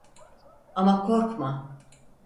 Ama korkma.